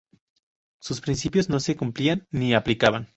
Sus principios no se cumplían ni aplicaban.